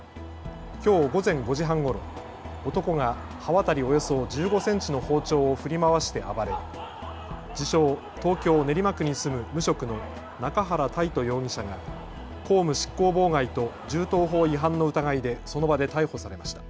きょう午前５時半ごろ、男が刃渡りおよそ１５センチの包丁を振り回して暴れ自称、東京練馬区に住む無職の中原泰斗容疑者が公務執行妨害と銃刀法違反の疑いでその場で逮捕されました。